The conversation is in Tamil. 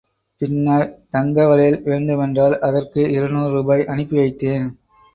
பின்னர் தங்க வளையல் வேண்டுமென்றாள் அதற்கு இருநூறு ரூபாய் அனுப்பி வைத்தேன்.